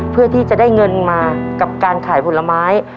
เพื่อที่จะได้เงินมากับการขายผลไม้